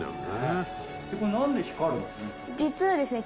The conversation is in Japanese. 実はですね